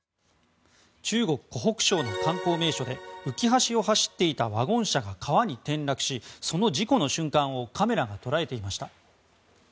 中国・湖北省の観光名所で浮き橋を走っていたワゴン車が川に転落しその事故の瞬間をカメラが捉えていました。